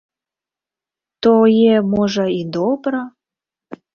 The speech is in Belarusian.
Тое, можа, і добра.